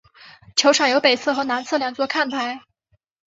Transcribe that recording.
球场有北侧和南侧两座看台。